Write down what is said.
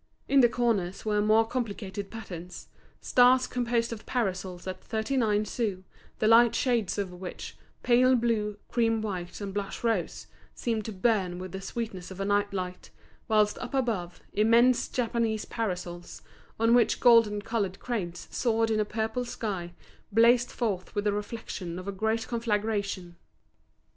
In the corners were more complicated patterns, stars composed of parasols at thirty nine sous, the light shades of which, pale blue, cream white, and blush rose, seemed to burn with the sweetness of a night light; whilst up above, immense Japanese parasols, on which golden coloured cranes soared in a purple sky, blazed forth with the reflections of a great conflagration.